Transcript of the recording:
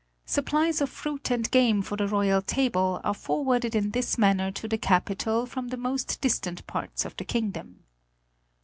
Supplies of fruit and game for the royal table are forwarded in this manner to the capital from the most distant parts of the kingdom.